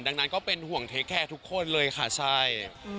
ดังนั้นก็เป็นห่วงเทคแคร์ทุกคนเลยค่ะใช่